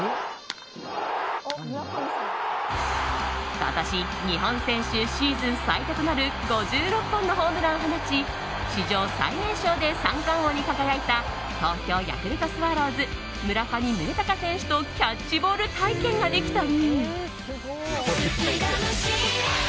今年、日本選手シーズン最多となる５６本のホームランを放ち史上最年少で三冠王に輝いた東京ヤクルトスワローズ村上宗隆選手とキャッチボール体験ができたり。